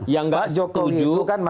yang engga setuju